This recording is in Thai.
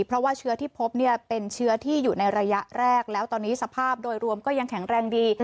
เพราะว่าเชื้อที่พบเนี่ยเป็นเชื้อที่อยู่ในระยะแรกแล้วตอนนี้สภาพโดยรวมก็ยังแข็งแรงดี